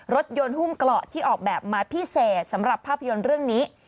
รถยนต์หุ้มเกราะที่ออกแบบมาพิเศษสำหรับภาพยนตร์เรื่องนี้